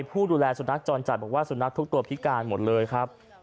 ผู้ดูแลสุนัขจรจัดบอกว่าสุนัขทุกตัวพิการหมดเลยครับ